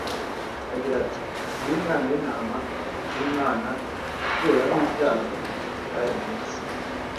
agira ati : «Nguyu Umwana w''intama w'Imana ukuraho ibyaha by'abari mu isi.»